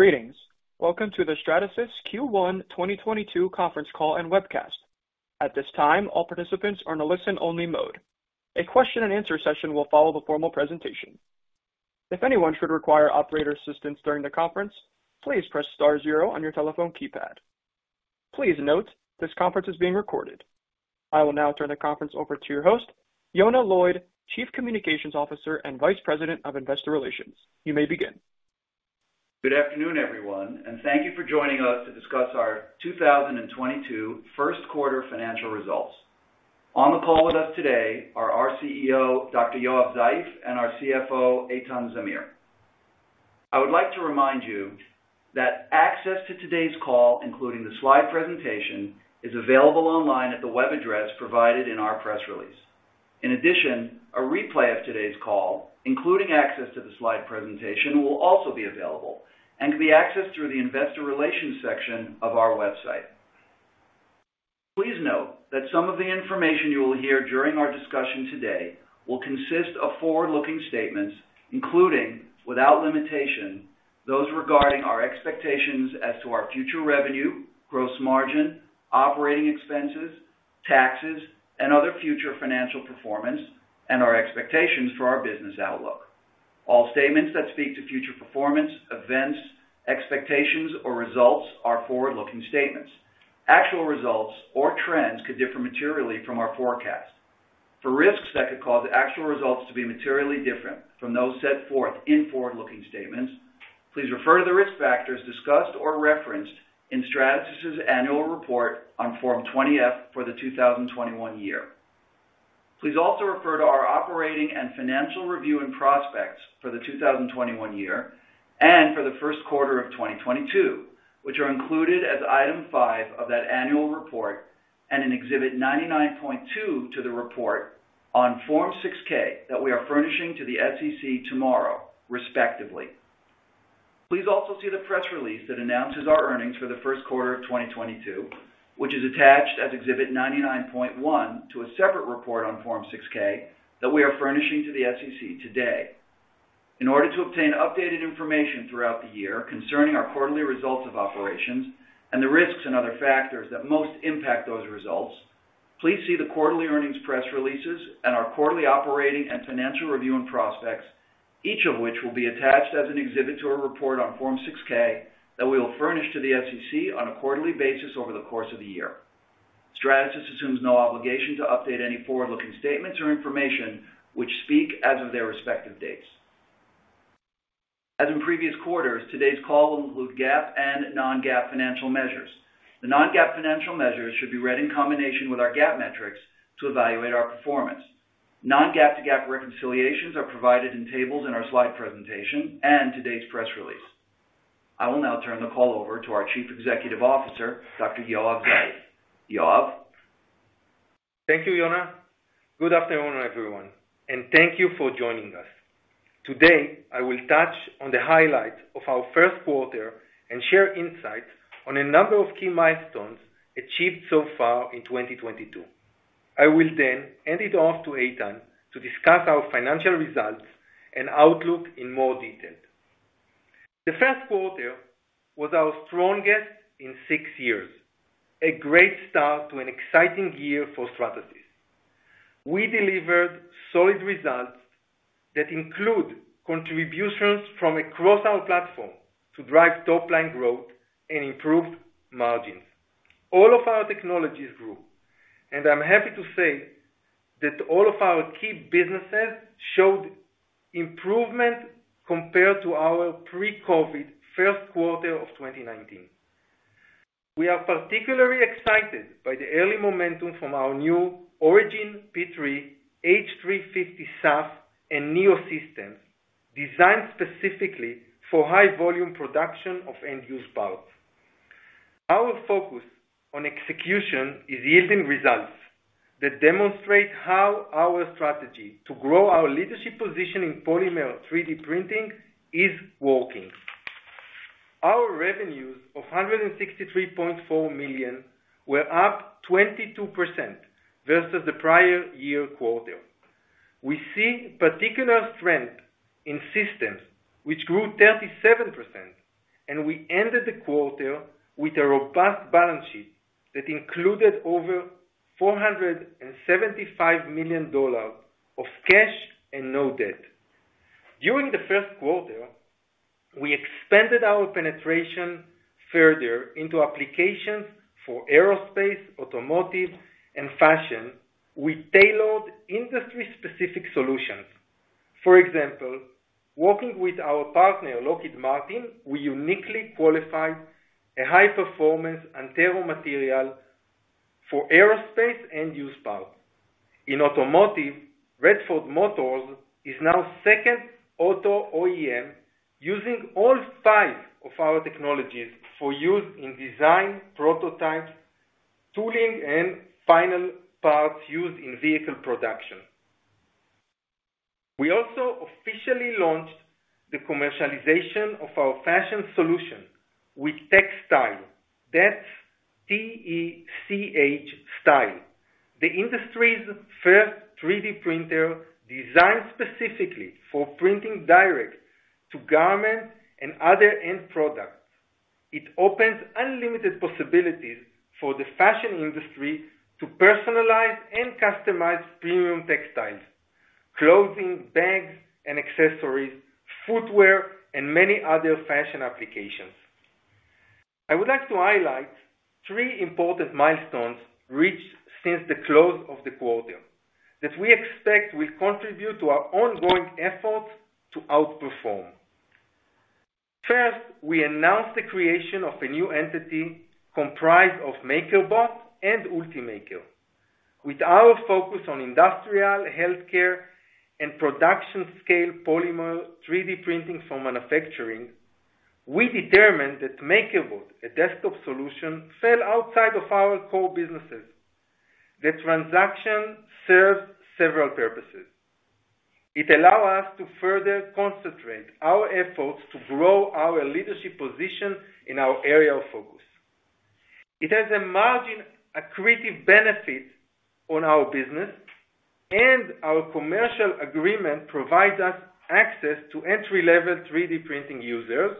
Greetings. Welcome to the Stratasys Q1 2022 Conference Call and Webcast. At this time, all participants are in a listen-only mode. A question-and-answer session will follow the formal presentation. If anyone should require operator assistance during the conference, please press star zero on your telephone keypad. Please note this conference is being recorded. I will now turn the conference over to your host, Yonah Lloyd, Chief Communications Officer and Vice President of Investor Relations. You may begin. Good afternoon, everyone, and thank you for joining us to discuss our 2022 first quarter financial results. On the call with us today are our CEO, Dr. Yoav Zeif, and our CFO, Eitan Zamir. I would like to remind you that access to today's call, including the slide presentation, is available online at the web address provided in our press release. In addition, a replay of today's call, including access to the slide presentation, will also be available and can be accessed through the investor relations section of our website. Please note that some of the information you will hear during our discussion today will consist of forward-looking statements, including, without limitation, those regarding our expectations as to our future revenue, gross margin, operating expenses, taxes, and other future financial performance, and our expectations for our business outlook. All statements that speak to future performance, events, expectations or results are forward-looking statements. Actual results or trends could differ materially from our forecast. For risks that could cause actual results to be materially different from those set forth in forward-looking statements, please refer to the Risk Factors discussed or referenced in Stratasys' annual report on Form 20-F for the 2021 year. Please also refer to our operating and financial review and prospects for the 2021 year and for the first quarter of 2022, which are included as Item 5 of that annual report and in Exhibit 99.2 to the report on Form 6-K that we are furnishing to the SEC tomorrow, respectively. Please also see the press release that announces our earnings for the first quarter of 2022, which is attached as exhibit 99.1 to a separate report on Form 6-K that we are furnishing to the SEC today. In order to obtain updated information throughout the year concerning our quarterly results of operations and the risks and other factors that most impact those results, please see the quarterly earnings press releases and our quarterly operating and financial review and prospects, each of which will be attached as an exhibit to a report on Form 6-K that we will furnish to the SEC on a quarterly basis over the course of the year. Stratasys assumes no obligation to update any forward-looking statements or information which speak as of their respective dates. As in previous quarters, today's call will include GAAP and non-GAAP financial measures. The non-GAAP financial measures should be read in combination with our GAAP metrics to evaluate our performance. Non-GAAP to GAAP reconciliations are provided in tables in our slide presentation and today's press release. I will now turn the call over to our Chief Executive Officer, Dr. Yoav Zeif. Yoav? Thank you, Yonah. Good afternoon, everyone, and thank you for joining us. Today, I will touch on the highlights of our first quarter and share insights on a number of key milestones achieved so far in 2022. I will then hand it off to Eitan to discuss our financial results and outlook in more detail. The first quarter was our strongest in six years. A great start to an exciting year for Stratasys. We delivered solid results that include contributions from across our platform to drive top line growth and improved margins. All of our technologies grew, and I'm happy to say that all of our key businesses showed improvement compared to our pre-COVID first quarter of 2019. We are particularly excited by the early momentum from our new Origin P3, H350 SAF, and Neo systems, designed specifically for high-volume production of end use parts. Our focus on execution is yielding results that demonstrate how our strategy to grow our leadership position in polymer 3D printing is working. Our revenues of $163.4 million were up 22% versus the prior-year quarter. We see particular strength in systems which grew 37%, and we ended the quarter with a robust balance sheet that included over $475 million of cash and no debt. During the first quarter, we expanded our penetration further into applications for aerospace, automotive, and fashion. We tailored industry-specific solutions. For example, working with our partner, Lockheed Martin, we uniquely qualified a high-performance Antero material for aerospace end-use parts. In automotive, Radford Motors is now the second auto OEM, using all five of our technologies for use in design, prototypes, tooling, and final parts used in vehicle production. We also officially launched the commercialization of our Fashion Solution with TechStyle. That's T-E-C-H Style. The industry's first 3D printer designed specifically for printing direct to garments and other end products. It opens unlimited possibilities for the fashion industry to personalize and customize premium textiles, clothing, bags and accessories, footwear, and many other fashion applications. I would like to highlight three important milestones reached since the close of the quarter, that we expect will contribute to our ongoing efforts to outperform. First, we announced the creation of a new entity comprised of MakerBot and Ultimaker. With our focus on industrial, healthcare, and production scale polymer 3D printing for manufacturing, we determined that MakerBot, a desktop solution, fell outside of our core businesses. The transaction serves several purposes. It allow us to further concentrate our efforts to grow our leadership position in our area of focus. It has a margin-accretive benefit on our business, and our commercial agreement provides us access to entry-level 3D printing users,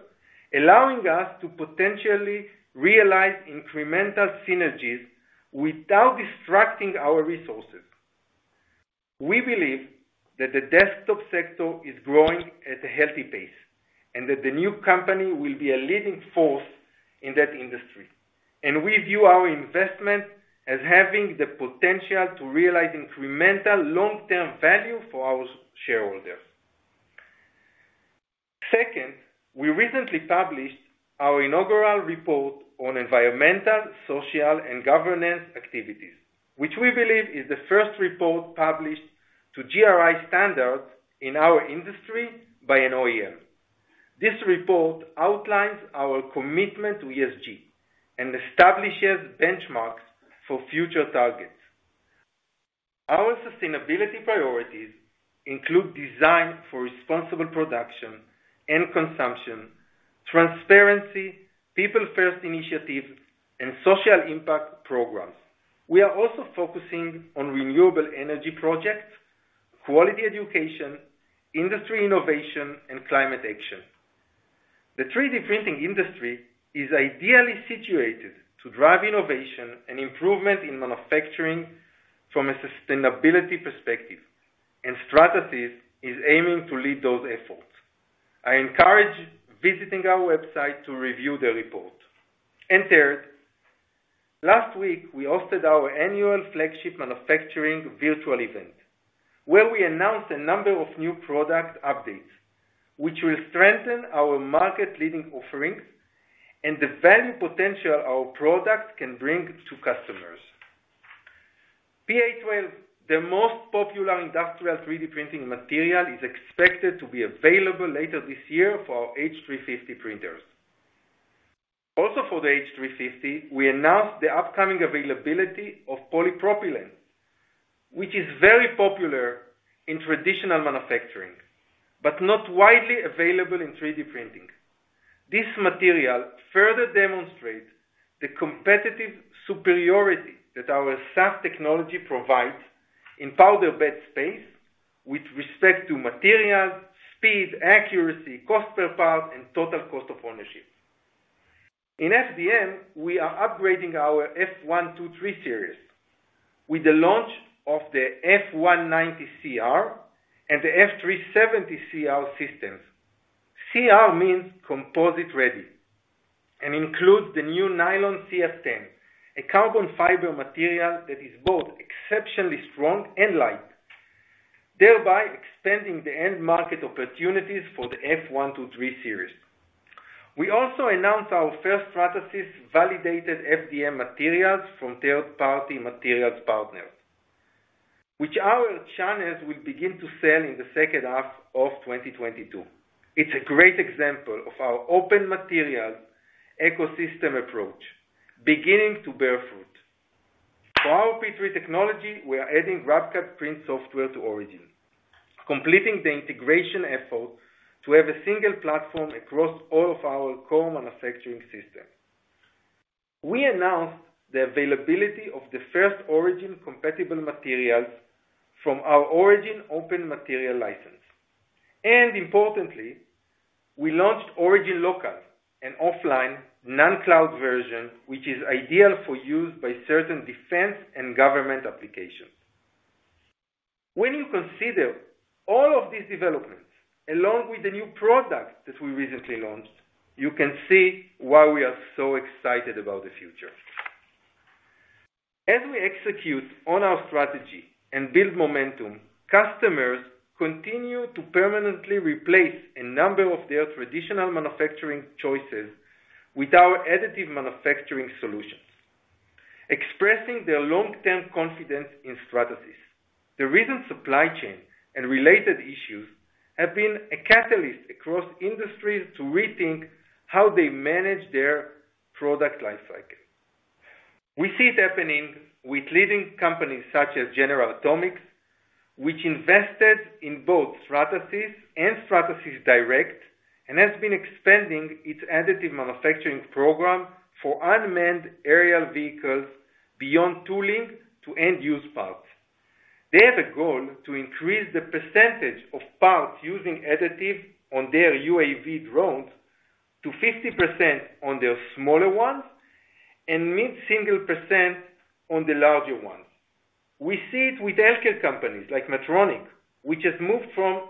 allowing us to potentially realize incremental synergies without distracting our resources. We believe that the desktop sector is growing at a healthy pace, and that the new company will be a leading force in that industry. We view our investment as having the potential to realize incremental long-term value for our shareholders. Second, we recently published our inaugural report on environmental, social, and governance activities, which we believe is the first report published to GRI standards in our industry by an OEM. This report outlines our commitment to ESG and establishes benchmarks for future targets. Our sustainability priorities include design for responsible production and consumption, transparency, people first initiatives, and social impact programs. We are also focusing on renewable energy projects, quality education, industry innovation, and climate action. The 3D printing industry is ideally situated to drive innovation and improvement in manufacturing from a sustainability perspective, and Stratasys is aiming to lead those efforts. I encourage visiting our website to review the report. Third, last week we hosted our annual flagship manufacturing virtual event, where we announced a number of new product updates, which will strengthen our market leading offerings and the value potential our products can bring to customers. PA12, the most popular industrial 3D printing material, is expected to be available later this year for our H350 printers. Also for the H350, we announced the upcoming availability of polypropylene, which is very popular in traditional manufacturing, but not widely available in 3D printing. This material further demonstrates the competitive superiority that our SAF technology provides in powder bed space with respect to material, speed, accuracy, cost per part, and total cost of ownership. In FDM, we are upgrading our F123 series with the launch of the F190 CR and the F370 CR systems. CR means composite ready and includes the new Nylon-CF10, a carbon fiber material that is both exceptionally strong and light, thereby extending the end market opportunities for the F123 series. We also announced our first Stratasys validated FDM materials from third-party materials partners, which our channels will begin to sell in the second half of 2022. It's a great example of our open materials ecosystem approach beginning to bear fruit. For our P3 technology, we are adding Rapid Print software to Origin, completing the integration effort to have a single platform across all of our core manufacturing systems. We announced the availability of the first Origin compatible materials from our Origin Open Material License. Importantly, we launched Origin Local, an offline non-cloud version, which is ideal for use by certain defense and government applications. When you consider all of these developments, along with the new product that we recently launched, you can see why we are so excited about the future. As we execute on our strategy and build momentum, customers continue to permanently replace a number of their traditional manufacturing choices with our additive manufacturing solutions, expressing their long-term confidence in Stratasys. The recent supply chain and related issues have been a catalyst across industries to rethink how they manage their product life cycle. We see it happening with leading companies such as General Atomics, which invested in both Stratasys and Stratasys Direct, and has been expanding its additive manufacturing program for unmanned aerial vehicles beyond tooling to end use parts. They have a goal to increase the percentage of parts using additive on their UAV drones to 50% on their smaller ones and mid-single-digit percent on the larger ones. We see it with healthcare companies like Medtronic, which has moved from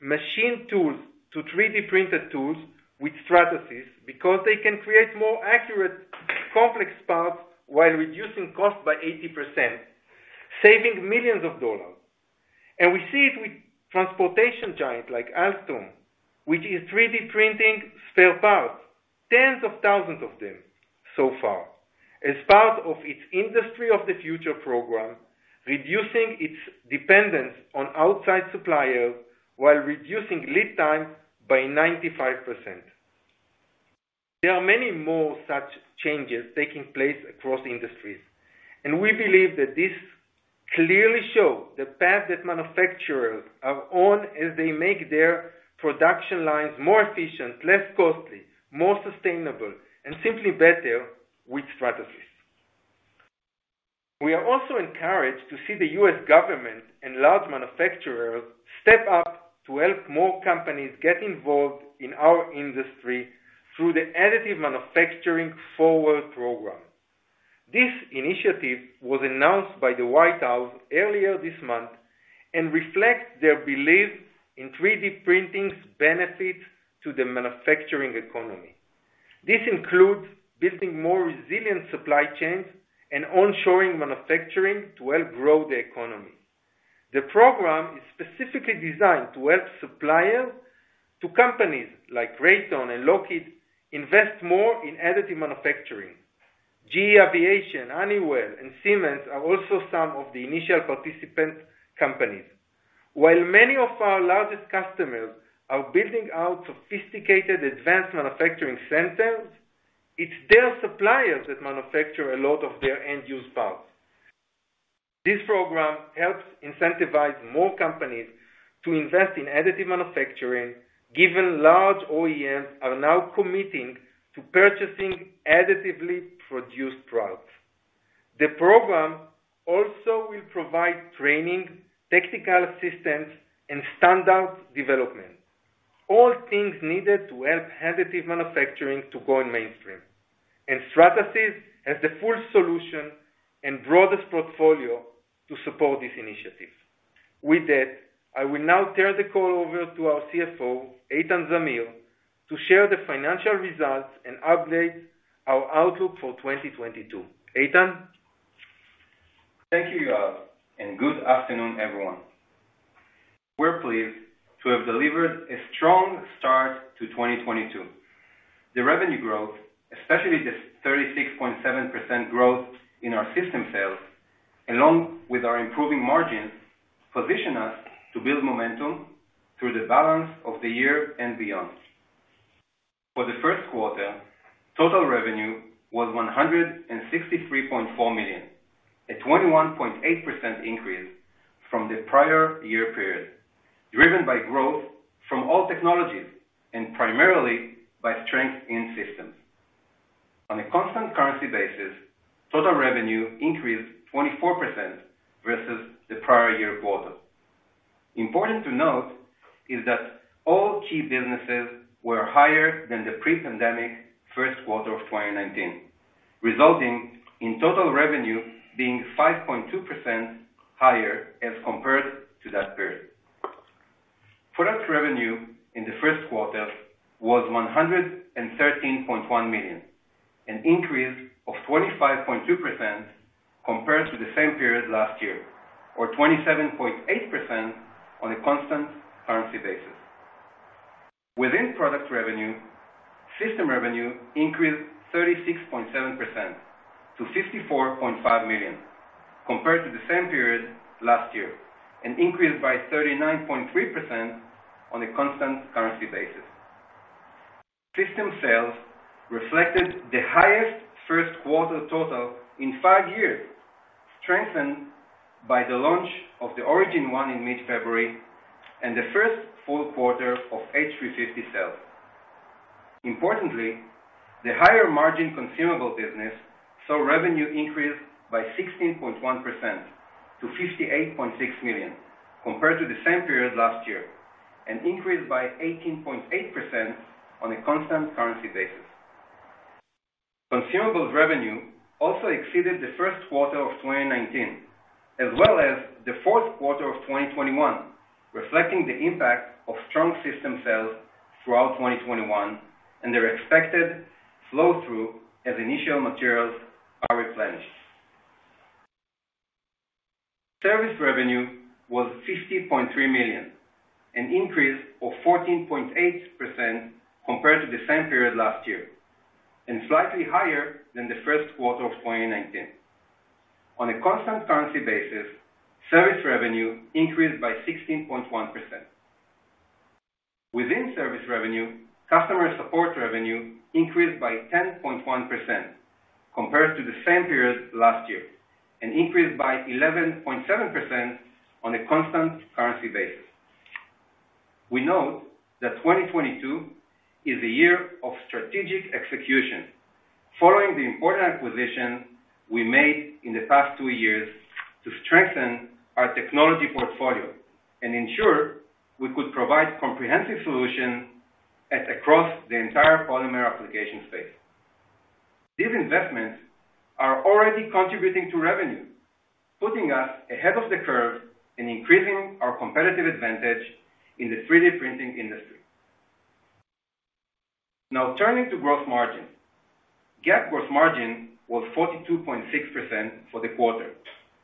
machine tools to 3D printed tools with Stratasys because they can create more accurate, complex parts while reducing cost by 80%, saving millions of dollars. We see it with transportation giant like Alstom, which is 3D printing spare parts, tens of thousands of them so far, as part of its Industry of the Future program, reducing its dependence on outside suppliers while reducing lead time by 95%. There are many more such changes taking place across industries, and we believe that this clearly shows the path that manufacturers are on as they make their production lines more efficient, less costly, more sustainable, and simply better with Stratasys. We are also encouraged to see the U.S. government and large manufacturers step up to help more companies get involved in our industry through the Additive Manufacturing Forward program. This initiative was announced by the White House earlier this month and reflects their belief in 3D printing's benefits to the manufacturing economy. This includes building more resilient supply chains and onshoring manufacturing to help grow the economy. The program is specifically designed to help suppliers to companies like Raytheon and Lockheed Martin invest more in additive manufacturing. GE Aerospace, Honeywell, and Siemens are also some of the initial participant companies. While many of our largest customers are building out sophisticated advanced manufacturing centers, it's their suppliers that manufacture a lot of their end-use parts. This program helps incentivize more companies to invest in additive manufacturing, given large OEMs are now committing to purchasing additively produced products. The program also will provide training, technical assistance, and standards development. All things needed to help additive manufacturing to go in mainstream. Stratasys has the full solution and broadest portfolio to support this initiative. With that, I will now turn the call over to our CFO, Eitan Zamir, to share the financial results and update our outlook for 2022. Eitan? Thank you, Yoav, and good afternoon, everyone. We're pleased to have delivered a strong start to 2022. The revenue growth, especially the 36.7% growth in our system sales, along with our improving margins, position us to build momentum through the balance of the year and beyond. For the first quarter, total revenue was $163.4 million, a 21.8% increase from the prior year period, driven by growth from all technologies and primarily by strength in systems. On a constant currency basis, total revenue increased 24% versus the prior year quarter. Important to note is that all key businesses were higher than the pre-pandemic first quarter of 2019, resulting in total revenue being 5.2% higher as compared to that period. Product revenue in the first quarter was $113.1 million, an increase of 25.2% compared to the same period last year or 27.8% on a constant currency basis. Within product revenue, system revenue increased 36.7% to $54.5 million compared to the same period last year, and increased by 39.3% on a constant currency basis. System sales reflected the highest first quarter total in five years, strengthened by the launch of the Origin One in mid-February and the first full quarter of H350 sales. Importantly, the higher margin consumable business saw revenue increase by 16.1% to $58.6 million compared to the same period last year, and increased by 18.8% on a constant currency basis. Consumables revenue also exceeded the first quarter of 2019 as well as the fourth quarter of 2021, reflecting the impact of strong system sales throughout 2021 and their expected flow-through as initial materials are replenished. Service revenue was $50.3 million, an increase of 14.8% compared to the same period last year, and slightly higher than the first quarter of 2019. On a constant currency basis, service revenue increased by 16.1%. Within service revenue, customer support revenue increased by 10.1% compared to the same period last year, and increased by 11.7% on a constant currency basis. We note that 2022 is the year of strategic execution following the important acquisitions we made in the past two years to strengthen our technology portfolio and ensure we could provide comprehensive solutions across the entire polymer application space. These investments are already contributing to revenue, putting us ahead of the curve and increasing our competitive advantage in the 3D printing industry. Now, turning to gross margin. GAAP gross margin was 42.6% for the quarter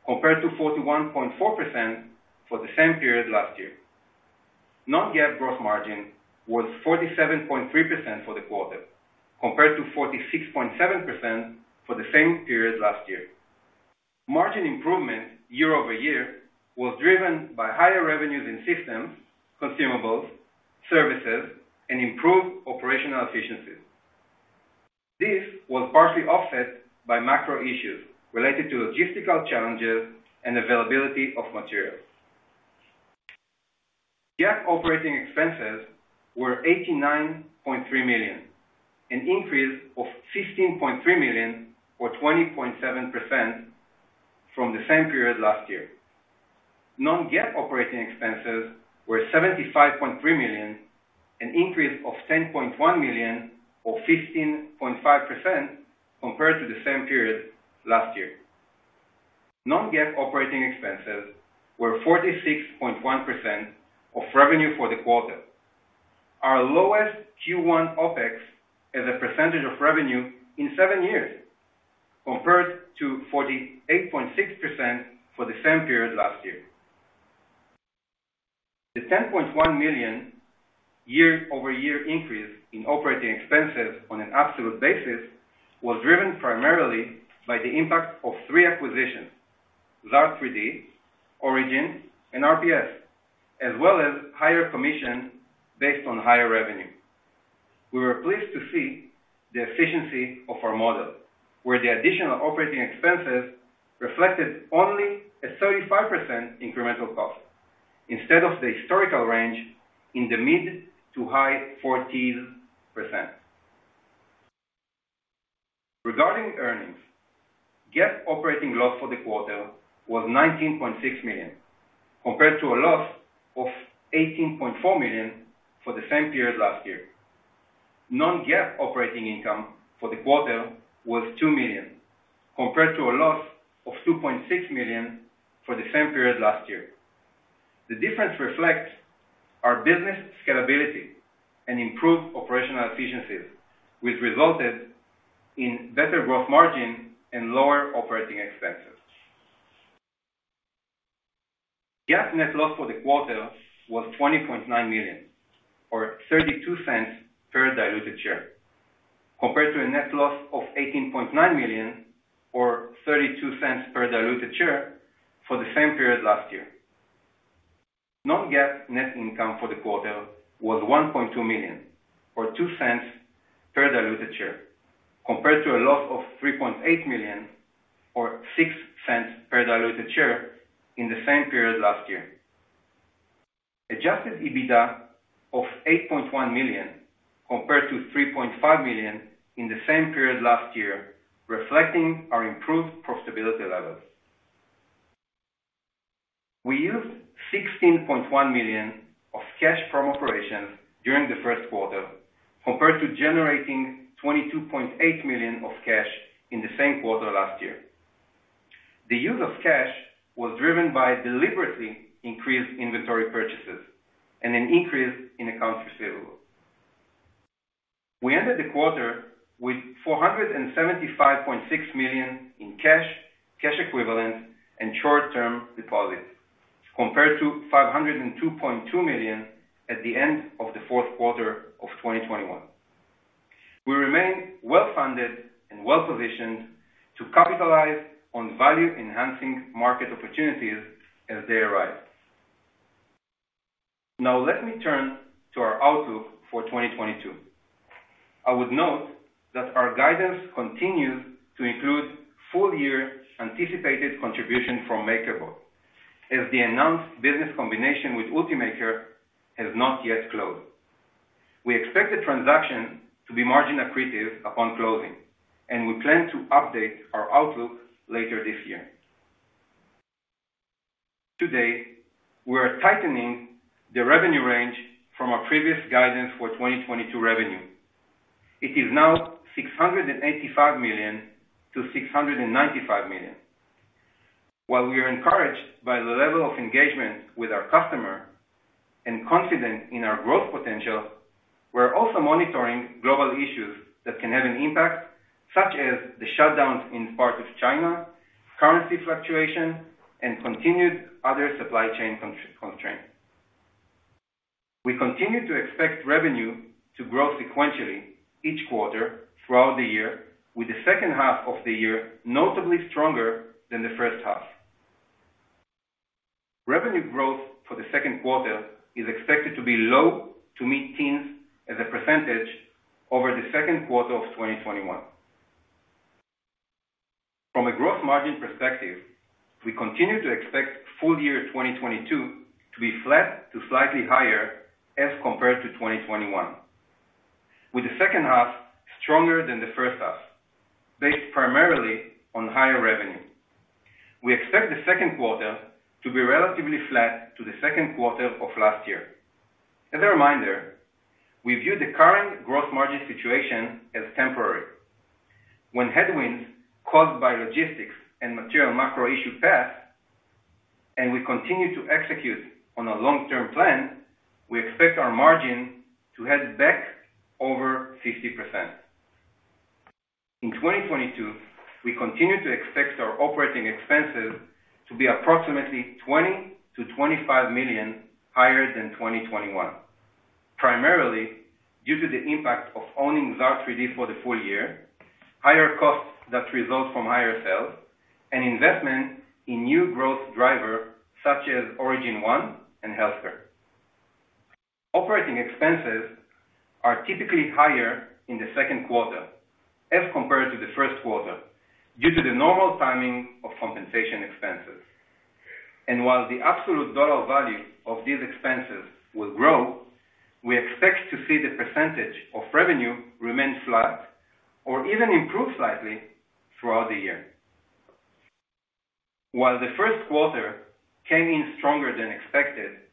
compared to 41.4% for the same period last year. Non-GAAP gross margin was 47.3% for the quarter compared to 46.7% for the same period last year. Margin improvement year-over-year was driven by higher revenues in systems, consumables, services, and improved operational efficiencies. This was partially offset by macro issues related to logistical challenges and availability of materials. GAAP operating expenses were $89.3 million, an increase of $15.3 million or 20.7% from the same period last year. Non-GAAP operating expenses were $75.3 million, an increase of $10.1 million or 15.5% compared to the same period last year. Non-GAAP operating expenses were 46.1% of revenue for the quarter. Our lowest Q1 OpEx as a percentage of revenue in seven years, compared to 48.6% for the same period last year. The $10.1 million year-over-year increase in operating expenses on an absolute basis was driven primarily by the impact of three acquisitions, Xaar 3D, Origin, and RPS, as well as higher commission based on higher revenue. We were pleased to see the efficiency of our model, where the additional operating expenses reflected only a 35% incremental cost instead of the historical range in the mid- to high-40%. Regarding earnings, GAAP operating loss for the quarter was $19.6 million, compared to a loss of $18.4 million for the same period last year. non-GAAP operating income for the quarter was $2 million, compared to a loss of $2.6 million for the same period last year. The difference reflects our business scalability and improved operational efficiencies, which resulted in better growth margin and lower operating expenses. GAAP net loss for the quarter was $20.9 million or $0.32 per diluted share, compared to a net loss of $18.9 million or $0.32 per diluted share for the same period last year. Non-GAAP net income for the quarter was $1.2 million or $0.02 per diluted share, compared to a loss of $3.8 million or $0.06 per diluted share in the same period last year. Adjusted EBITDA of $8.1 million compared to $3.5 million in the same period last year, reflecting our improved profitability levels. We used $16.1 million of cash from operations during the first quarter, compared to generating $22.8 million of cash in the same quarter last year. The use of cash was driven by deliberately increased inventory purchases and an increase in accounts receivable. We ended the quarter with $475.6 million in cash equivalents, and short-term deposits, compared to $502.2 million at the end of the fourth quarter of 2021. We remain well-funded and well-positioned to capitalize on value-enhancing market opportunities as they arise. Now, let me turn to our outlook for 2022. I would note that our guidance continues to include full-year anticipated contribution from MakerBot as the announced business combination with Ultimaker has not yet closed. We expect the transaction to be margin accretive upon closing, and we plan to update our outlook later this year. Today, we're tightening the revenue range from our previous guidance for 2022 revenue. It is now $685 million-$695 million. While we are encouraged by the level of engagement with our customer and confident in our growth potential, we're also monitoring global issues that can have an impact, such as the shutdowns in parts of China, currency fluctuation, and continued other supply chain constraints. We continue to expect revenue to grow sequentially each quarter throughout the year, with the second half of the year notably stronger than the first half. Revenue growth for the second quarter is expected to be low- to mid-teens as a percentage over the second quarter of 2021. From a gross margin perspective, we continue to expect full year 2022 to be flat to slightly higher as compared to 2021, with the second half stronger than the first half, based primarily on higher revenue. We expect the second quarter to be relatively flat to the second quarter of last year. As a reminder, we view the current gross margin situation as temporary. When headwinds caused by logistics and material macro issues pass, and we continue to execute on our long-term plan, we expect our margin to head back over 50%. In 2022, we continue to expect our operating expenses to be approximately $20-$25 million higher than 2021, primarily due to the impact of owning Xaar 3D for the full year, higher costs that result from higher sales, and investment in new growth driver such as Origin One and healthcare. Operating expenses are typically higher in the second quarter as compared to the first quarter due to the normal timing of compensation expenses. While the absolute dollar value of these expenses will grow, we expect to see the percentage of revenue remain flat or even improve slightly throughout the year. While the first quarter came in stronger than expected,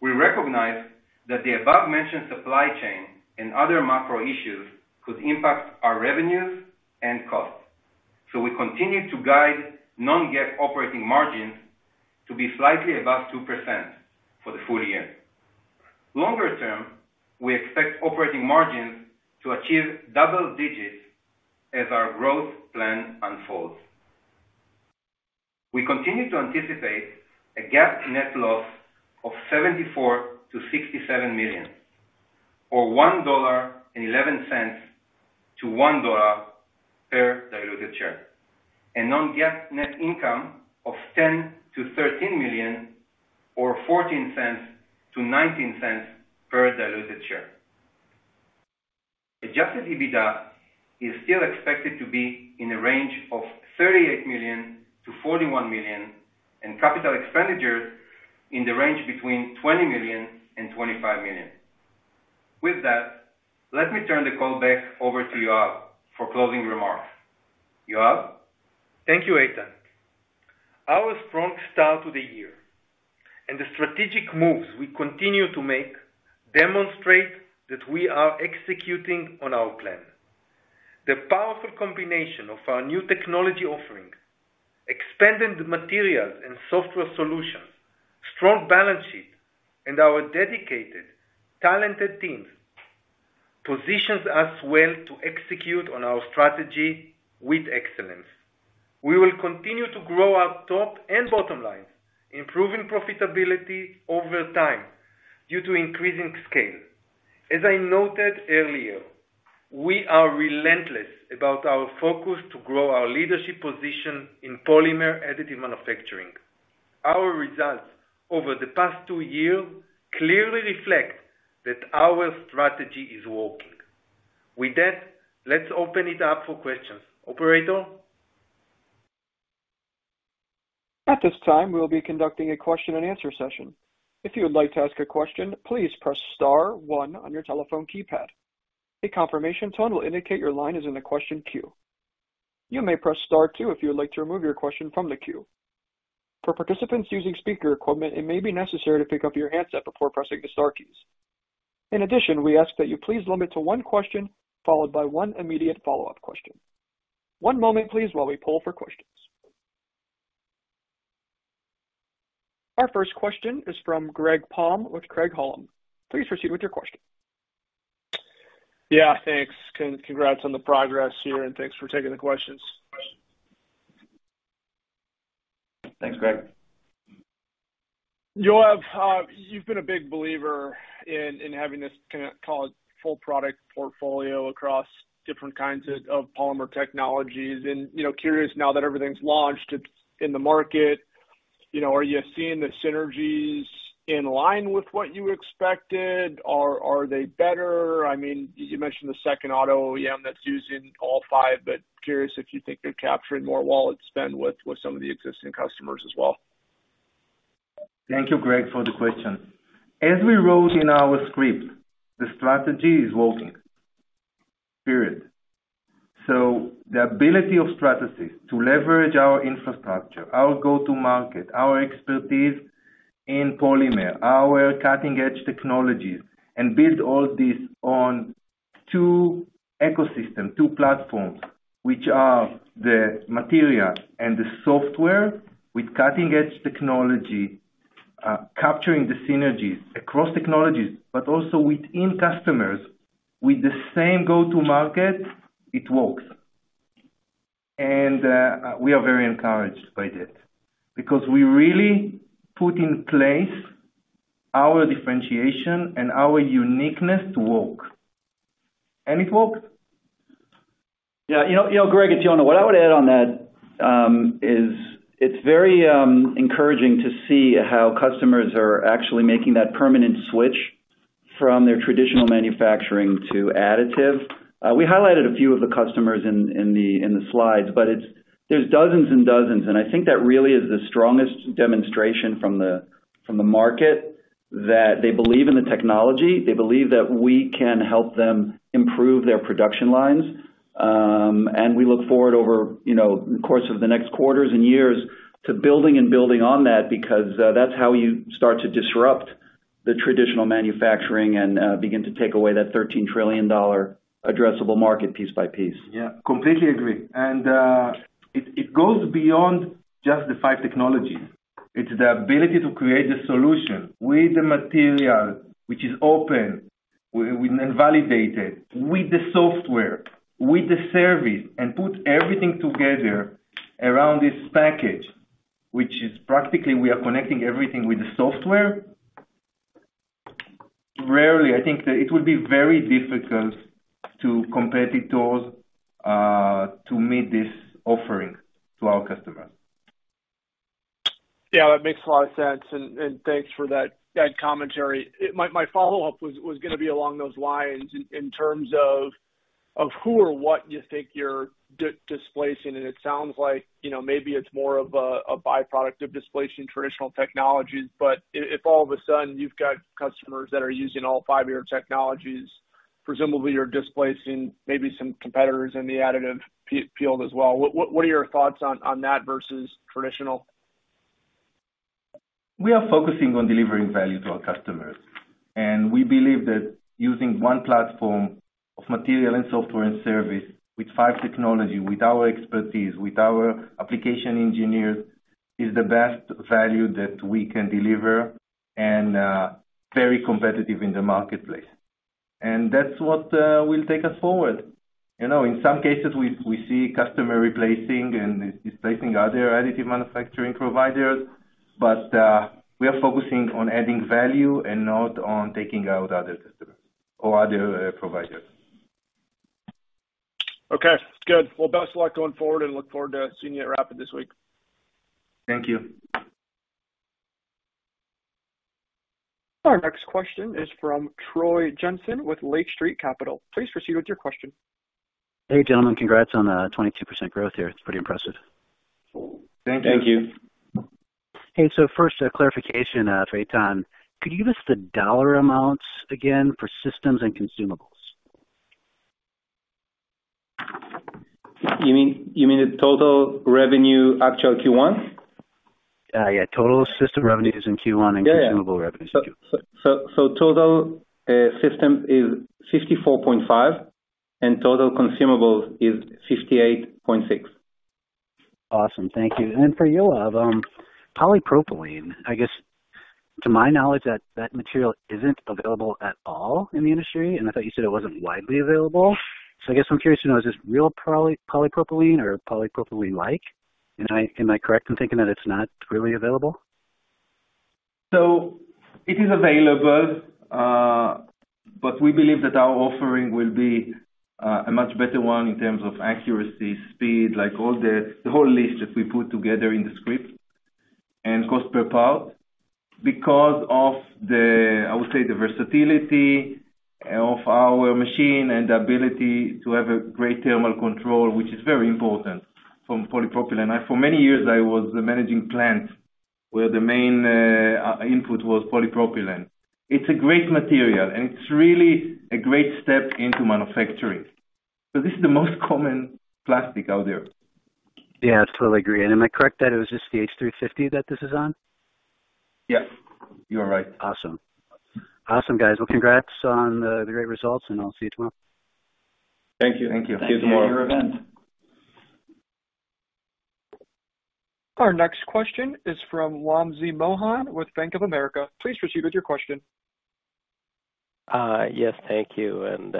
we recognize that the above-mentioned supply chain and other macro issues could impact our revenues and costs. We continue to guide non-GAAP operating margins to be slightly above 2% for the full year. Longer term, we expect operating margins to achieve double digits as our growth plan unfolds. We continue to anticipate a GAAP net loss of $74-$67 million, or $1.11-$1.00 per diluted share, and non-GAAP net income of $10-$13 million or $0.14-$0.19 per diluted share. Adjusted EBITDA is still expected to be in the range of $38-$41 million, and capital expenditures in the range between $20-$25 million. With that, let me turn the call back over to Yoav for closing remarks. Yoav? Thank you, Eitan. Our strong start to the year and the strategic moves we continue to make demonstrate that we are executing on our plan. The powerful combination of our new technology offerings, expanded materials and software solutions, strong balance sheet, and our dedicated, talented teams positions us well to execute on our strategy with excellence. We will continue to grow our top and bottom line, improving profitability over time due to increasing scale. As I noted earlier, we are relentless about our focus to grow our leadership position in polymer additive manufacturing. Our results over the past two years clearly reflect that our strategy is working. With that, let's open it up for questions. Operator? At this time, we'll be conducting a question-and-answer session. If you would like to ask a question, please press star one on your telephone keypad. A confirmation tone will indicate your line is in the question queue. You may press star two if you would like to remove your question from the queue. For participants using speaker equipment, it may be necessary to pick up your handset before pressing the star keys. In addition, we ask that you please limit to one question followed by one immediate follow-up question. One moment please while we poll for questions. Our first question is from Greg Palm with Craig-Hallum. Please proceed with your question. Yeah, thanks. Congrats on the progress here, and thanks for taking the questions. Thanks, Greg. Yoav, you've been a big believer in having this kind of, call it, full product portfolio across different kinds of polymer technologies. You know, curious now that everything's launched, it's in the market, you know, are you seeing the synergies in line with what you expected or are they better? I mean, you mentioned the second auto OEM that's using all five, but curious if you think they're capturing more wallet share with some of the existing customers as well. Thank you, Greg, for the question. As we wrote in our script, the strategy is working, period. The ability of Stratasys to leverage our infrastructure, our go-to market, our expertise in polymer, our cutting-edge technologies, and build all this on two ecosystem, two platforms, which are the material and the software with cutting-edge technology, capturing the synergies across technologies, but also within customers with the same go-to market, it works. We are very encouraged by that because we really put in place our differentiation and our uniqueness to work. It works. Yeah. You know, Greg it's Yonah, what I would add on that is it's very encouraging to see how customers are actually making that permanent switch from their traditional manufacturing to additive. We highlighted a few of the customers in the slides, but there are dozens and dozens, and I think that really is the strongest demonstration from the market that they believe in the technology. They believe that we can help them improve their production lines. We look forward over you know course of the next quarters and years to building on that because that's how you start to disrupt the traditional manufacturing and begin to take away that $13 trillion addressable market piece by piece. Yeah. Completely agree. It goes beyond just the five technologies. It's the ability to create the solution with the material which is open, with and validated, with the software, with the service, and put everything together around this package, which is practically we are connecting everything with the software. Rarely, I think that it would be very difficult to competitors to meet this offering to our customers. Yeah, that makes a lot of sense, and thanks for that commentary. My follow-up was gonna be along those lines in terms of who or what you think you're displacing, and it sounds like, you know, maybe it's more of a byproduct of displacing traditional technologies. But if all of a sudden you've got customers that are using all five of your technologies, presumably you're displacing maybe some competitors in the additive field as well. What are your thoughts on that versus traditional? We are focusing on delivering value to our customers. We believe that using one platform of material and software and service with five technology, with our expertise, with our application engineers, is the best value that we can deliver and very competitive in the marketplace. That's what will take us forward. You know, in some cases we see customer replacing and displacing other additive manufacturing providers, but we are focusing on adding value and not on taking out other customers or other providers. Okay. Good. Well, best luck going forward, and look forward to seeing you at RAPID this week. Thank you. Our next question is from Troy Jensen with Lake Street Capital. Please proceed with your question. Hey, gentlemen. Congrats on 22% growth here. It's pretty impressive. Thank you. Thank you. First, a clarification, Eitan. Could you give us the dollar amounts again for systems and consumables? You mean the total revenue actual Q1? Yeah. Total system revenues in Q1. Yeah, yeah. Consumable revenues in Q1. Total system is $54.5, and total consumables is $58.6. Awesome. Thank you. For Yoav, polypropylene, I guess to my knowledge that that material isn't available at all in the industry, and I thought you said it wasn't widely available. I guess I'm curious to know, is this real polypropylene or polypropylene like? Am I correct in thinking that it's not really available? It is available, but we believe that our offering will be a much better one in terms of accuracy, speed, like all the whole list that we put together in the script and cost per part because of the, I would say, the versatility of our machine and the ability to have a great thermal control, which is very important for polypropylene. For many years, I was managing plant where the main input was polypropylene. It's a great material, and it's really a great step into manufacturing. This is the most common plastic out there. Yeah, I totally agree. Am I correct that it was just the H350 that this is on? Yeah, you are right. Awesome. Awesome, guys. Well, congrats on the great results, and I'll see you tomorrow. Thank you. Thank you. See you tomorrow. Thank you for your event. Our next question is from Wamsi Mohan with Bank of America. Please proceed with your question. Yes. Thank you, and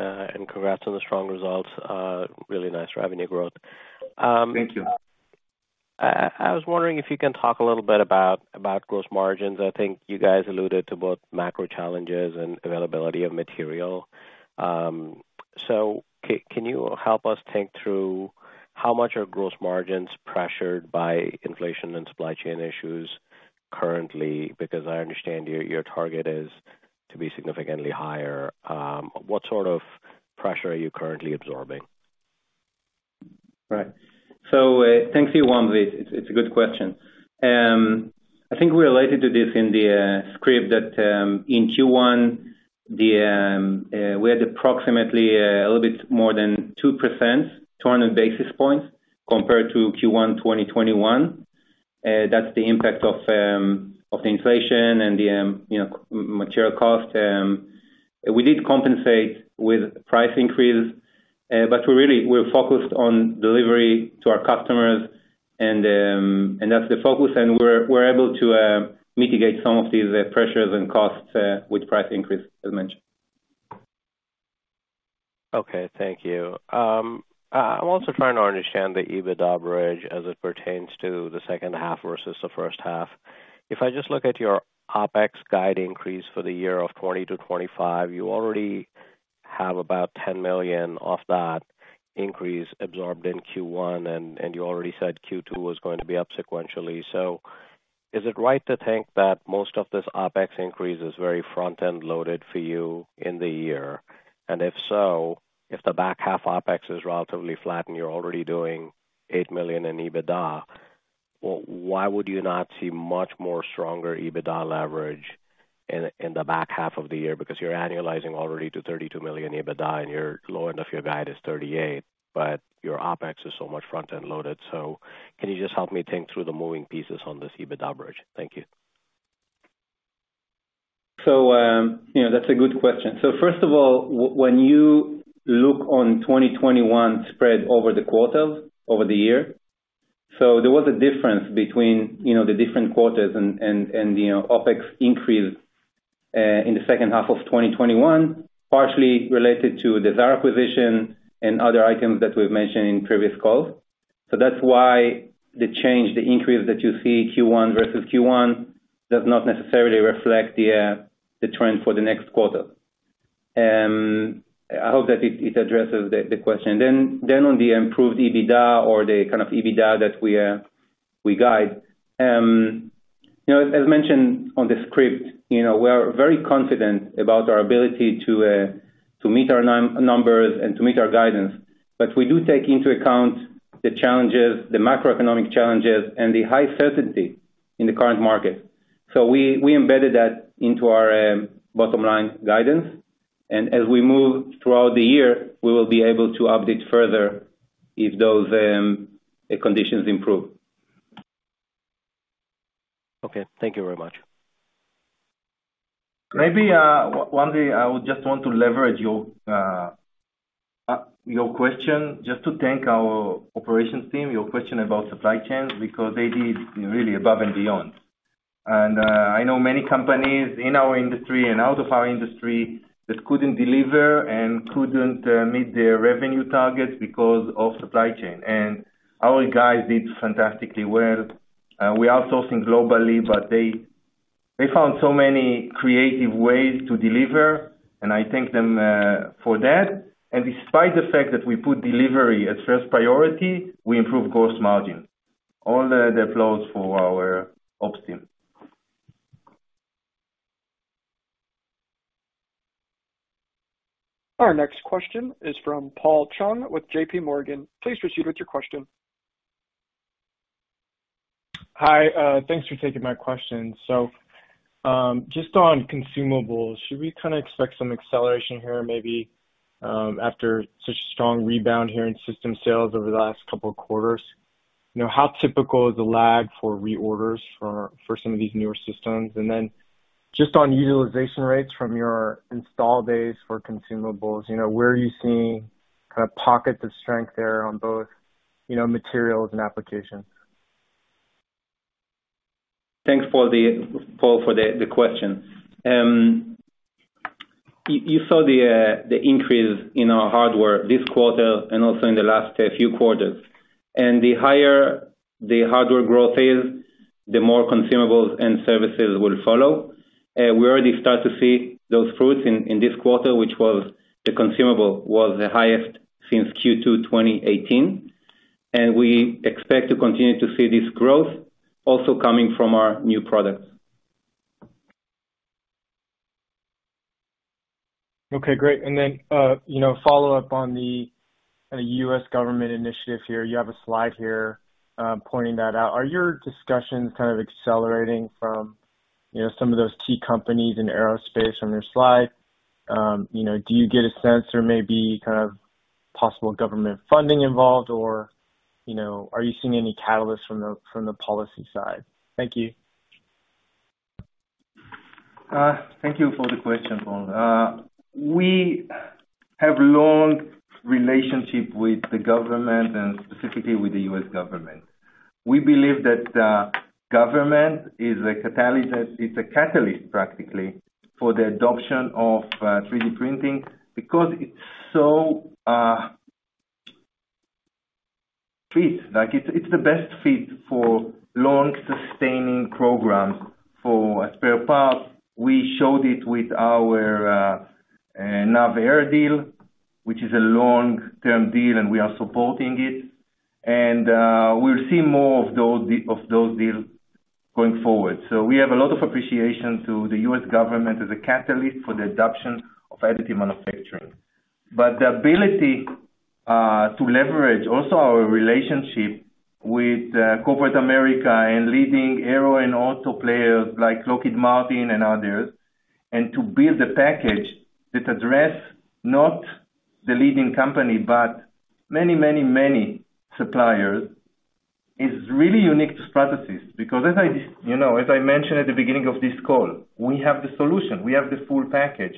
congrats on the strong results. Really nice revenue growth. Thank you. I was wondering if you can talk a little bit about gross margins. I think you guys alluded to both macro challenges and availability of material. Can you help us think through how much are gross margins pressured by inflation and supply chain issues currently? Because I understand your target is to be significantly higher. What sort of pressure are you currently absorbing? Right. Thanks to you, Vamsi. It's a good question. I think we related to this in the script that in Q1 we had approximately a little bit more than 2%, 200 basis points compared to Q1 2021. That's the impact of the inflation and the, you know, material cost. We did compensate with price increase, but we're really focused on delivery to our customers and that's the focus. We're able to mitigate some of these pressures and costs with price increase as mentioned. Okay. Thank you. I'm also trying to understand the EBITDA bridge as it pertains to the second half versus the first half. If I just look at your OpEx guide increase for the year of $20-$25 million, you already have about $10 million of that increase absorbed in Q1, and you already said Q2 was going to be up sequentially. Is it right to think that most of this OpEx increase is very front-end loaded for you in the year? If so, if the back half OpEx is relatively flat and you're already doing $8 million in EBITDA, why would you not see much more stronger EBITDA leverage in the back half of the year? Because you're annualizing already to $32 million EBITDA, and your low end of your guide is $38 million, but your OpEx is so much front-end loaded. Can you just help me think through the moving pieces on this EBITDA bridge? Thank you. You know, that's a good question. First of all, when you look on 2021 spread over the quarters, over the year, there was a difference between, you know, the different quarters and, you know, OpEx increase in the second half of 2021, partially related to the Xaar acquisition and other items that we've mentioned in previous calls. That's why the change, the increase that you see Q1 versus Q1, does not necessarily reflect the trend for the next quarter. I hope that it addresses the question. Then on the improved EBITDA or the kind of EBITDA that we guide. You know, as mentioned on the script, you know, we are very confident about our ability to meet our numbers and to meet our guidance. We do take into account the challenges, the macroeconomic challenges and the high certainty in the current market. We embedded that into our bottom line guidance. As we move throughout the year, we will be able to update further if those conditions improve. Okay. Thank you very much. Maybe one thing I would just want to leverage your question, just to thank our operations team, your question about supply chains, because they did really above and beyond. I know many companies in our industry and out of our industry that couldn't deliver and couldn't meet their revenue targets because of supply chain. Our guys did fantastically well. We are sourcing globally, but they found so many creative ways to deliver, and I thank them for that. Despite the fact that we put delivery as first priority, we improved gross margin. All the applause for our ops team. Our next question is from Paul Chung with JPMorgan. Please proceed with your question. Hi, thanks for taking my question. Just on consumables, should we kinda expect some acceleration here, maybe, after such a strong rebound here in system sales over the last couple of quarters? You know, how typical is the lag for reorders for some of these newer systems? Just on utilization rates from your install base for consumables, you know, where are you seeing kind of pockets of strength there on both, you know, materials and applications? Thanks Paul for the question. You saw the increase in our hardware this quarter and also in the last few quarters. The higher the hardware growth is, the more consumables and services will follow. We already start to see those fruits in this quarter, which was the consumable was the highest since Q2 2018. We expect to continue to see this growth also coming from our new products. Okay, great. You know, follow up on the U.S. government initiative here. You have a slide here pointing that out. Are your discussions kind of accelerating from, you know, some of those key companies in aerospace on your slide? You know, do you get a sense there may be kind of possible government funding involved, or, you know, are you seeing any catalyst from the policy side? Thank you. Thank you for the question, Paul. We have long relationship with the government and specifically with the U.S. government. We believe that the government is a catalyst, it's a catalyst practically for the adoption of 3D printing because it's so fit. Like it's the best fit for long sustaining programs for a spare part. We showed it with our NAVAIR deal, which is a long-term deal, and we are supporting it. We'll see more of those deals going forward. We have a lot of appreciation to the U.S. government as a catalyst for the adoption of additive manufacturing. The ability to leverage also our relationship with corporate America and leading aero and auto players like Lockheed Martin and others, and to build a package that address not the leading company, but many, many, many suppliers, is really unique to Stratasys. Because as I, you know, as I mentioned at the beginning of this call, we have the solution, we have the full package.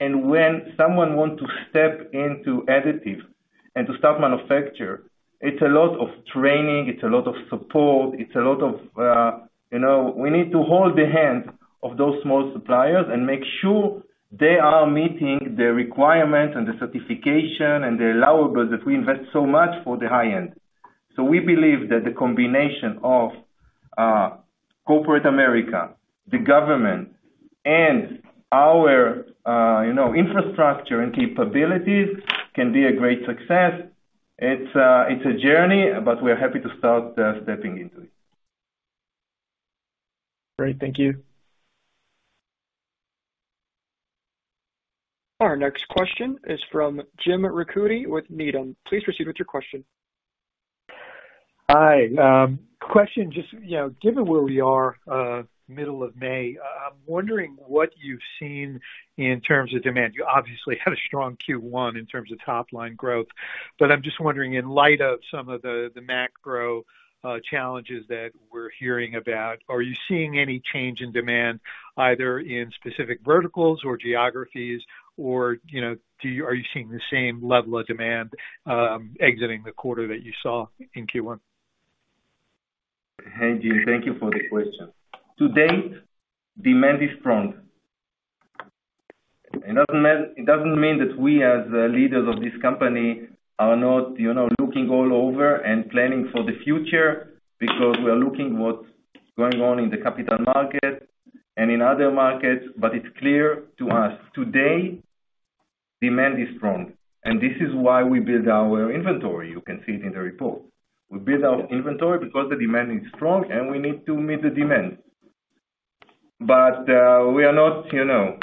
When someone want to step into additive and to start manufacture, it's a lot of training, it's a lot of support, it's a lot of, you know, we need to hold the hand of those small suppliers and make sure they are meeting the requirements and the certification and the allowables that we invest so much for the high end. We believe that the combination of, corporate America, the government, and our, you know, infrastructure and capabilities can be a great success. It's a journey, but we are happy to start, stepping into it. Great. Thank you. Our next question is from Jim Ricchiuti with Needham. Please proceed with your question. Hi. Question, just, you know, given where we are, middle of May, I'm wondering what you've seen in terms of demand. You obviously had a strong Q1 in terms of top line growth, but I'm just wondering, in light of some of the macro challenges that we're hearing about, are you seeing any change in demand, either in specific verticals or geographies? Or are you seeing the same level of demand exiting the quarter that you saw in Q1? Hi, Jim. Thank you for the question. To date, demand is strong. It doesn't mean that we, as leaders of this company, are not, you know, looking all over and planning for the future because we are looking what's going on in the capital market and in other markets. It's clear to us, today, demand is strong, and this is why we build our inventory. You can see it in the report. We build our inventory because the demand is strong and we need to meet the demand. We are not, you know,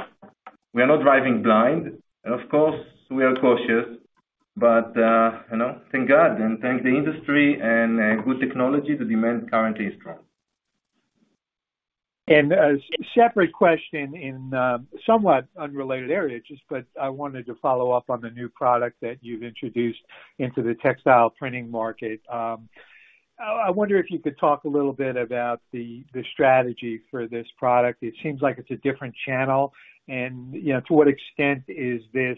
we are not driving blind. Of course, we are cautious, but, you know, thank God and thank the industry and, good technology, the demand currently is strong. A separate question in a somewhat unrelated area, just, but I wanted to follow up on the new product that you've introduced into the textile printing market. I wonder if you could talk a little bit about the strategy for this product. It seems like it's a different channel. You know, to what extent is this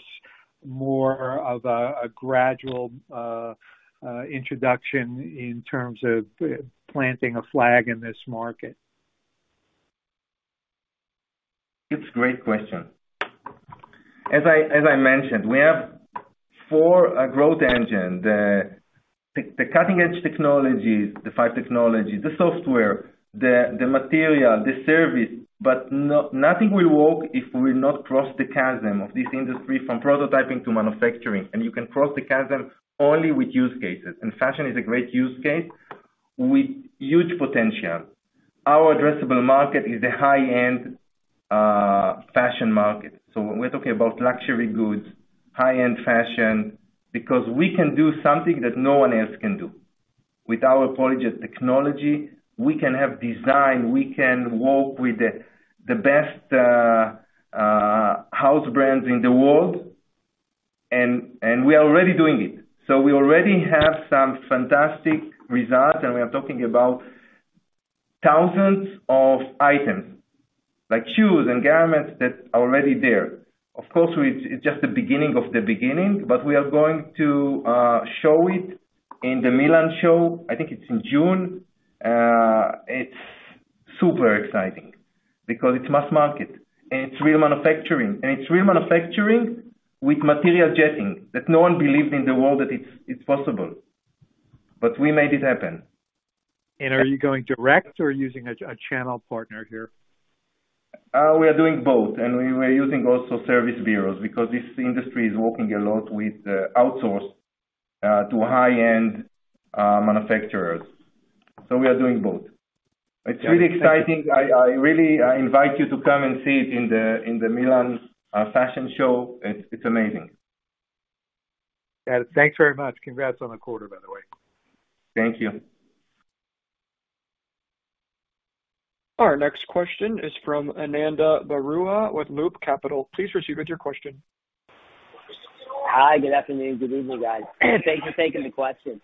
more of a gradual introduction in terms of planting a flag in this market? It's a great question. As I mentioned, we have four growth engines, the cutting edge technologies, the five technologies, the software, the material, the service, but nothing will work if we not cross the chasm of this industry from prototyping to manufacturing. You can cross the chasm only with use cases. Fashion is a great use case with huge potential. Our addressable market is the high-end fashion market. We're talking about luxury goods, high-end fashion, because we can do something that no one else can do. With our PolyJet technology, we can have design, we can work with the best house brands in the world, and we are already doing it. We already have some fantastic results, and we are talking about thousands of items like shoes and garments that are already there. Of course, it's just the beginning of the beginning, but we are going to show it in the Milan show, I think it's in June. It's super exciting because it's mass market and it's real manufacturing, and it's real manufacturing with material jetting that no one believed in the world that it's possible. We made it happen. Are you going direct or using a channel partner here? We are doing both, and we were also using service bureaus because this industry is working a lot with outsourcing to high-end manufacturers. We are doing both. It's really exciting. I really invite you to come and see it in the Milan fashion show. It's amazing. Got it. Thanks very much. Congrats on the quarter, by the way. Thank you. Our next question is from Ananda Baruah with Loop Capital Markets. Please proceed with your question. Hi. Good afternoon. Good evening, guys. Thanks for taking the question.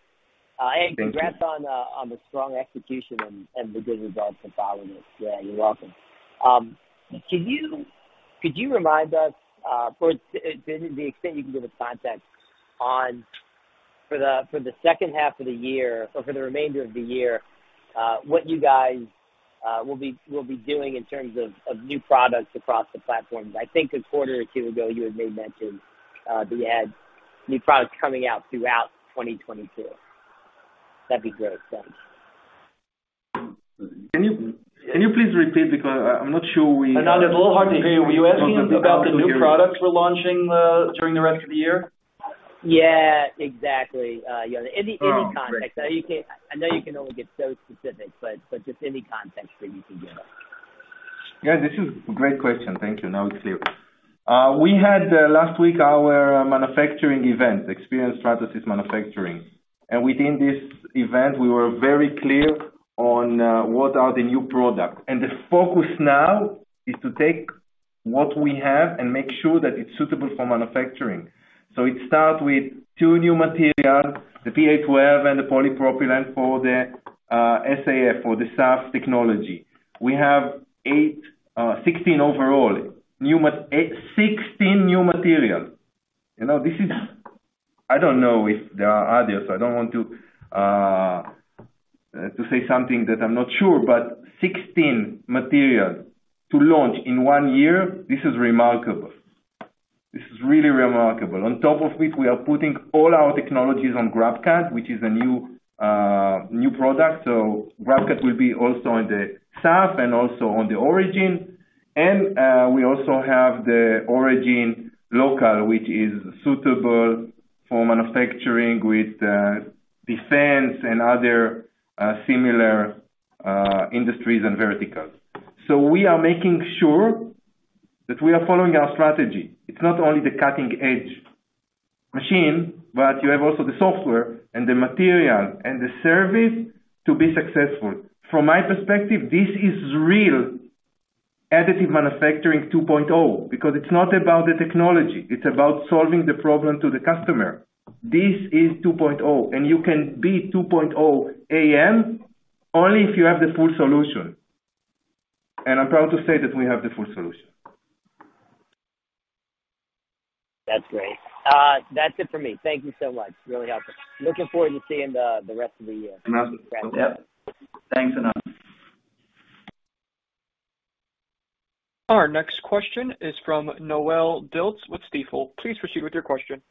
Thank you. Congrats on the strong execution and the good results for following this. Yeah, you're welcome. Could you remind us, to the extent you can give a context on the second half of the year or for the remainder of the year, what you guys will be doing in terms of new products across the platform? I think a quarter or two ago, you had made mention that you had new products coming out throughout 2022. That'd be great. Thanks. Can you please repeat? Because I'm not sure. Ananda, it's a little hard to hear. Were you asking about the new products we're launching, during the rest of the year? Yeah, exactly. You know, any context. Oh, great. I know you can only get so specific, but just any context that you can give. Yeah, this is a great question. Thank you. Now it's clear. We had last week our manufacturing event, Experience Stratasys: Manufacturing. Within this event, we were very clear on what are the new products. The focus now is to take what we have and make sure that it's suitable for manufacturing. It start with two new material, the PA12 and the polypropylene for the SAF, for the SAF technology. We have 16 overall new materials. You know, this is. I don't know if there are others. I don't want to say something that I'm not sure, but 16 materials to launch in one year, this is remarkable. This is really remarkable. On top of it, we are putting all our technologies on GrabCAD, which is a new product. GrabCAD will be also in the stack and also on the Origin. We also have the Origin Local, which is suitable for manufacturing with defense and other similar industries and verticals. We are making sure that we are following our strategy. It's not only the cutting-edge machine, but you have also the software and the material and the service to be successful. From my perspective, this is real additive manufacturing 2.0 because it's not about the technology, it's about solving the problem to the customer. This is 2.0. You can be 2.0 AM only if you have the full solution. I'm proud to say that we have the full solution. That's great. That's it for me. Thank you so much. Really helpful. Looking forward to seeing the rest of the year. Yep. Thanks, Ananda. Our next question is from Noelle Dilts with Stifel. Please proceed with your question.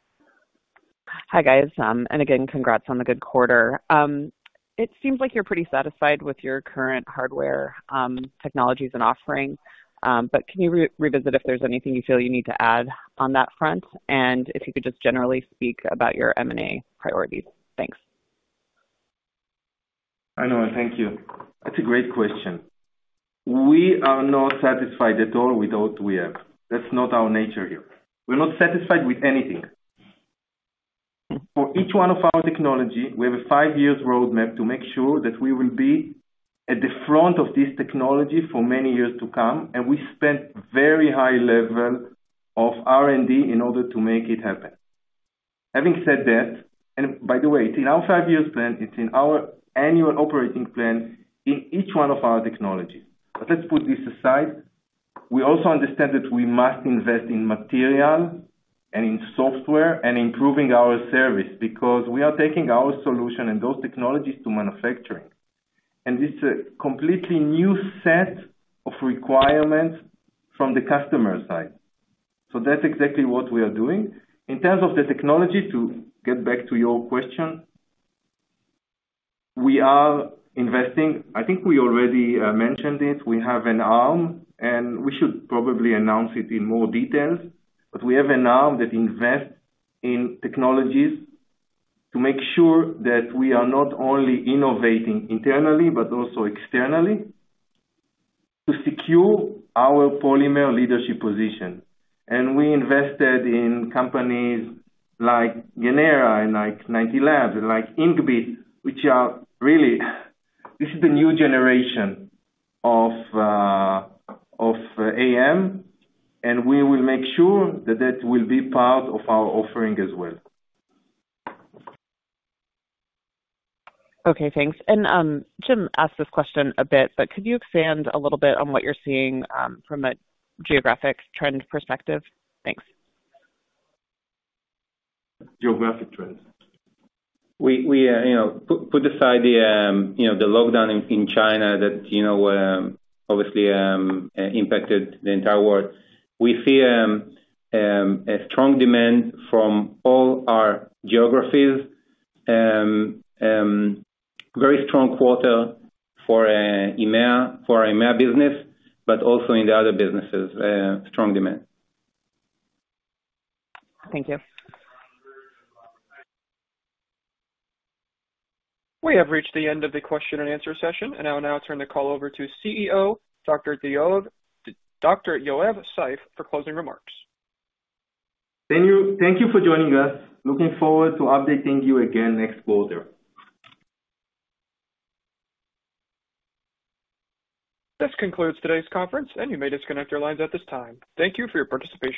Hi, guys. Again, congrats on the good quarter. It seems like you're pretty satisfied with your current hardware, technologies and offerings. Can you revisit if there's anything you feel you need to add on that front? If you could just generally speak about your M&A priorities. Thanks. I know, and thank you. That's a great question. We are not satisfied at all with what we have. That's not our nature here. We're not satisfied with anything. For each one of our technology, we have a five-year roadmap to make sure that we will be at the front of this technology for many years to come, and we spent very high level of R&D in order to make it happen. Having said that. By the way, it's in our five-year plan, it's in our annual operating plan in each one of our technologies. Let's put this aside. We also understand that we must invest in material and in software and improving our service because we are taking our solution and those technologies to manufacturing. It's a completely new set of requirements from the customer side. That's exactly what we are doing. In terms of the technology, to get back to your question, we are investing. I think we already mentioned it. We have an arm, and we should probably announce it in more details, but we have an arm that invests in technologies to make sure that we are not only innovating internally, but also externally to secure our polymer leadership position. We invested in companies like Genera and like 9T Labs and like Inkbit, which are really. This is the new generation of AM, and we will make sure that that will be part of our offering as well. Okay, thanks. Jim asked this question a bit, but could you expand a little bit on what you're seeing from a geographic trend perspective? Thanks. Geographic trends. We you know put aside the lockdown in China that you know obviously impacted the entire world. We see a strong demand from all our geographies. Very strong quarter for EMEA, for our EMEA business, but also in the other businesses, strong demand. Thank you. We have reached the end of the question-and-answer session. I'll now turn the call over to CEO, Dr. Yoav Zeif for closing remarks. Thank you, thank you for joining us. Looking forward to updating you again next quarter. This concludes today's conference, and you may disconnect your lines at this time. Thank you for your participation.